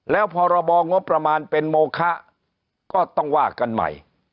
แล้วพรบงบประมาณเป็นโมคะก็ต้องว่ากันใหม่